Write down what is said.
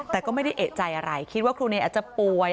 แต่ก็ไม่ได้เอกใจอะไรคิดว่าครูเนยอาจจะป่วย